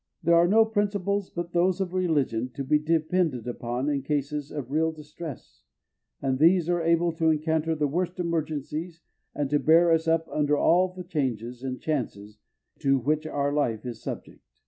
There are no principles but those of religion to be depended on in cases of real distress, and these are able to encounter the worst emergencies and to bear us up under all the changes and chances to which our life is subject.